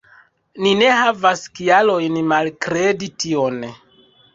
Ni ne havas kialojn malkredi tion.